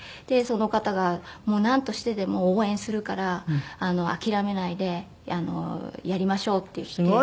でその方が「なんとしてでも応援するから諦めないでやりましょう」って言って。